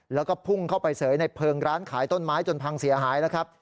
แล้วก็พุ่งเข้าไปเสยในเพลิงร้านขายต้นไม้จนพังเสียหายแล้วครับ